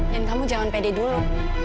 dan kamu jangan pede dulu